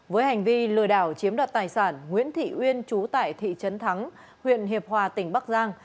với hành vi lừa đảo chiếm đoạt tài sản nguyễn thị uyên trú tại thị trấn thắng huyện hiệp hòa tỉnh bắc giang